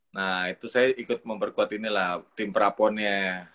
nah itu saya ikut memperkuat ini lah tim praponnya